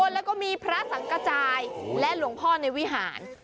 แล้วก็มีพระสังกระจายและหลวงพ่อในวิหาร